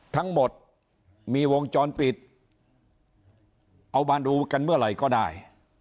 ทั้งหมดมีวงจรปิดเอามาดูกันเมื่อไหร่ก็ได้